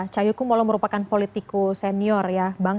cahyukumolo merupakan politiko senior ya bang